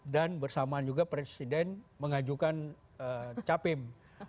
dan bersamaan juga presiden mengajukan capim